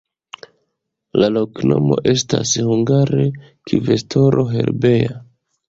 La loknomo estas hungare: kvestoro-herbeja.